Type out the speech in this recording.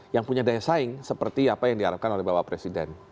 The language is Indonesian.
yang punya daya saing seperti apa yang diharapkan oleh bapak presiden